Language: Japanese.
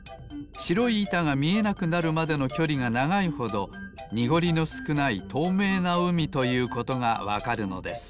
しろいいたがみえなくなるまでのきょりがながいほどにごりのすくないとうめいなうみということがわかるのです。